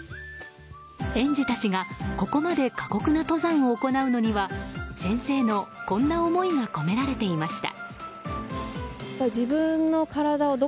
園児たちがここまで過酷な登山を行うのには先生のこんな思いが込められていました。